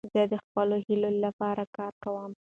زه د خپلو هیلو له پاره کار کوم.